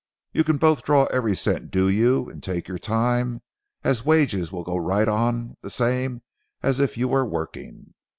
You can both draw every cent due you, and take your time, as wages will go right on the same as if you were working.